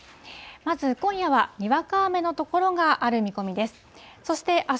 まず、今夜はにわか雨の所がある見込みです。